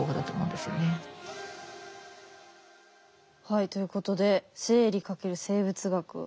はいということで「生理×生物学」。